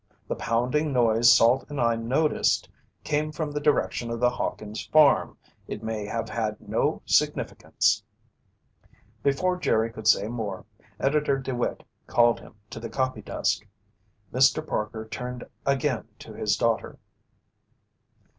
The pounding noise Salt and I noticed, came from the direction of the Hawkins' farm. It may have had no significance." Before Jerry could say more, Editor DeWitt called him to the copy desk. Mr. Parker turned again to his daughter.